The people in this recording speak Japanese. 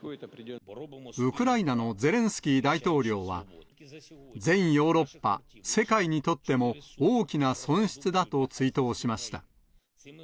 ウクライナのゼレンスキー大統領は、全ヨーロッパ、世界にとっても大きな損失だと追悼しました。